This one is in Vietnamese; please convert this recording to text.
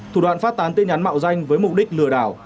thủ đoạn phát tán tin nhắn mạo danh với mục đích lừa đảo